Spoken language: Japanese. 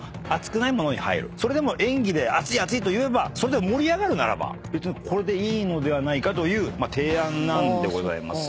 それでも演技で熱い熱いとそれで盛り上がるならば別にこれでいいのではないかという提案なんでございます。